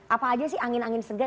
apa aja sih angin angin segar